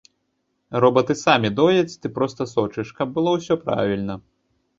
Робаты самі дояць, ты проста сочыш, каб было ўсё правільна.